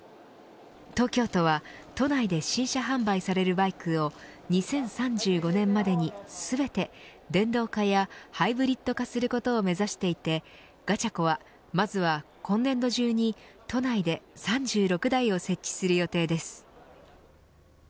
東京都は都内で新車販売されるバイクを２０３５年までに全て電動化やハイブリット化することを目指していてＧａｃｈａｃｏはまずは今年度中に都内で３６台を設置する予定です。